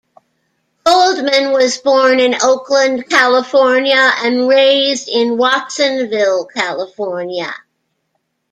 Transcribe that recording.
Goldman was born in Oakland, California and raised in Watsonville, California.